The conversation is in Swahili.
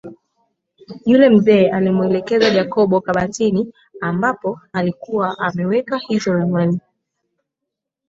Yule mzee alimuelekeza Jacob kabatini ambapo alikuwa ameweka hizo ramani